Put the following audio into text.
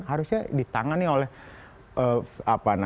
harusnya ditangani oleh apa namanya